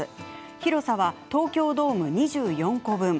広さは東京ドーム２４個分。